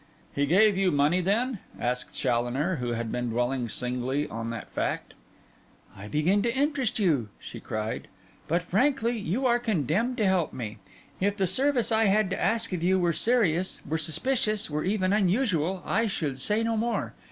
'He gave you money then?' asked Challoner, who had been dwelling singly on that fact. 'I begin to interest you,' she cried. 'But, frankly, you are condemned to help me. If the service I had to ask of you were serious, were suspicious, were even unusual, I should say no more.